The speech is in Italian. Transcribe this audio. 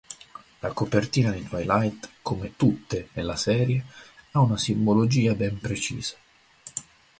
La copertina di Twilight, come tutte nella serie, ha una simbologia ben precisa.